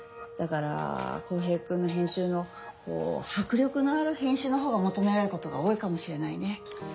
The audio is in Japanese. だからコーヘイ君の編集のこうはく力のある編集のほうがもとめられることが多いかもしれないね。